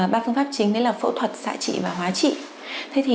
ba phương pháp chính đấy là phẫu thuật xạ trị và hóa trị